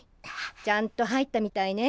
ちゃんと入ったみたいね。